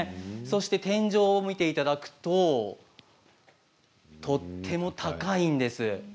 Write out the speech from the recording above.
天井を見ていただくととっても高いんです。